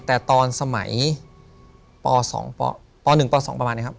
แต่ตอนสมัยป๒ป๑ป๒ประมาณนี้ครับ